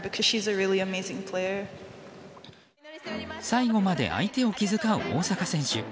最後まで相手を気遣う大坂選手。